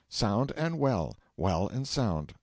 sound and well! well and sound!